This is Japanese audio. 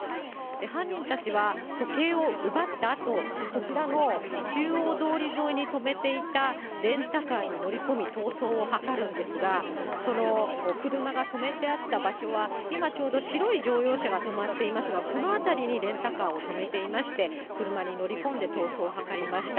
犯人たちは時計を奪ったあと、こちらの中央通り沿いに止めていたレンタカーに乗り込み、逃走を図るんですが、その車が止めてあった場所は、今、ちょうど白い乗用車が止まっていますが、この辺りにレンタカーを止めていまして、車に乗り込んで逃走を図りました。